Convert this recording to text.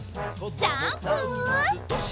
ジャンプ！